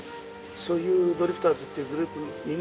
そういうドリフターズってグループみんながね。